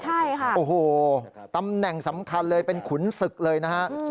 ใช่ค่ะโอ้โหตำแหน่งสำคัญเลยเป็นขุนศึกเลยนะฮะ